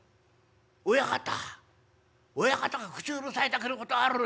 親方親方が口うるさいだけのことはあるね。